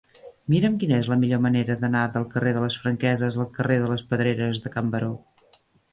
Mira'm quina és la millor manera d'anar del carrer de les Franqueses al carrer de les Pedreres de Can Baró